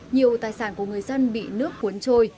nhiều tài sản của người dân bị nước cuốn trôi